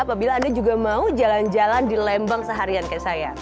apabila anda juga mau jalan jalan di lembang seharian kayak saya